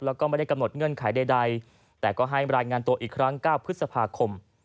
แล้วก็ไม่ได้กำหนดเงื่อนไขใดแต่ก็ให้รายงานตัวอีกครั้ง๙พฤษภาคม